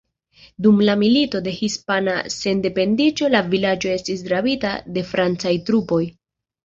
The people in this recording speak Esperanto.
Dum la Milito de Hispana Sendependiĝo la vilaĝo estis rabita de francaj trupoj.